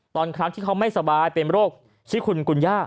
ทั้งที่เขาไม่สบายเป็นโรคชิคุณกุญญา